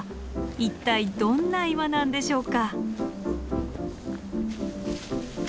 一体どんな岩なんでしょうか。